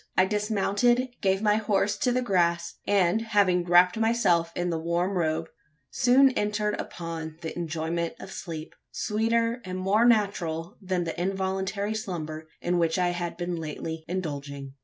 I dismounted, gave my horse to the grass; and, having wrapped myself in the warm robe, soon entered upon the enjoyment of sleep sweeter and more natural than the involuntary slumber in which I had been lately indulging.